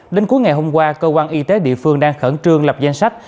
đến cuối ngày hôm qua cơ quan y tế địa phương đang khẩn trương lập danh sách